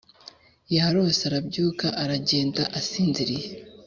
yarose arabyuka aragenda asinziriye